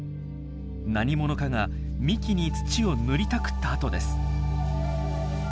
何者かが幹に土を塗りたくった跡です。